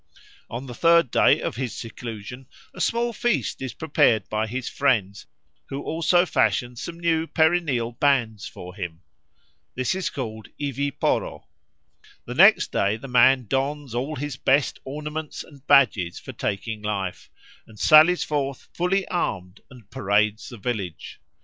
On the third day of his seclusion a small feast is prepared by his friends, who also fashion some new perineal bands for him. This is called ivi poro. The next day the man dons all his best ornaments and badges for taking life, and sallies forth fully armed and parades the village.